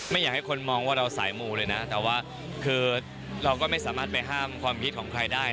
อยากให้คนมองว่าเราสายมูเลยนะแต่ว่าคือเราก็ไม่สามารถไปห้ามความคิดของใครได้